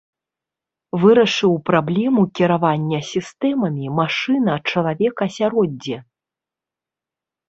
Вырашыў праблему кіравання сістэмамі машына-чалавек-асяроддзе.